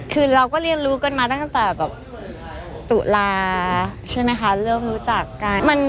คือเราก็เรียนรู้กันมาตั้งแต่แบบตุลาใช่ไหมคะเริ่มรู้จักกัน